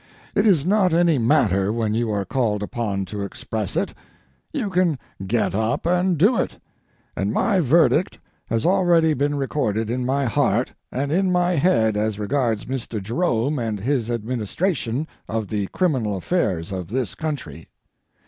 It is not any matter when you are called upon to express it; you can get up and do it, and my verdict has already been recorded in my heart and in my head as regards Mr. Jerome and his administration of the criminal affairs of this county.